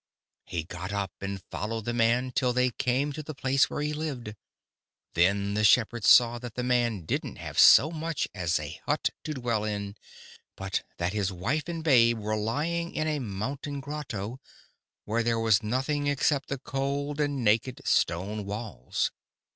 He got up and followed the man till they came to the place where he lived. "Then the shepherd saw that the man didn't have so much as a hut to dwell in, but that his wife and babe were lying in a mountain grotto, where there was nothing except the cold and naked stone walls.